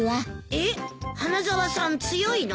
えっ花沢さん強いの？